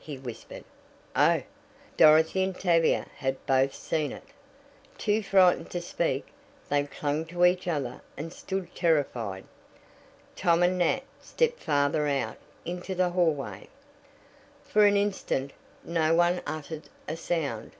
he whispered. "Oh!" Dorothy and Tavia had both seen it. Too frightened to speak, they clung to each other and stood terrified. Tom and Nat stepped farther out into the hallway. For an instant no one uttered a sound.